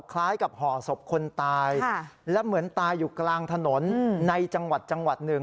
คล้ายกับห่อศพคนตายและเหมือนตายอยู่กลางถนนในจังหวัดจังหวัดหนึ่ง